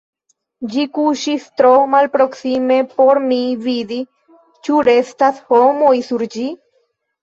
Ĝi kuŝis tro malproksime por mi vidi, ĉu restas homoj sur ĝi.